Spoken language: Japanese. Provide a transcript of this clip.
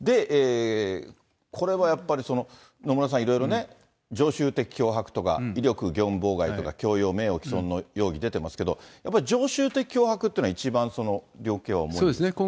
これもやっぱり、野村さん、いろいろね、常習的脅迫とか、威力業務妨害とか、強要、名誉毀損の容疑、出てますけれども、やっぱり常習的脅迫っていうのは、一番その量刑は重いですか。